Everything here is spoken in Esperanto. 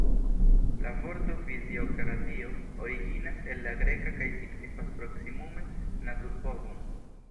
La vorto fiziokratio originas el la greka kaj signifas proksimume naturpovon.